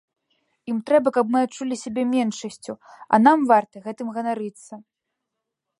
Ім трэба, каб мы адчулі сябе меншасцю, а нам варта гэтым ганарыцца.